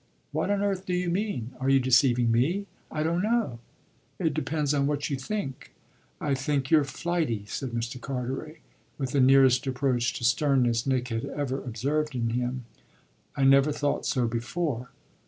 "What on earth do you mean? Are you deceiving me?" "I don't know it depends on what you think." "I think you're flighty," said Mr. Carteret, with the nearest approach to sternness Nick had ever observed in him. "I never thought so before."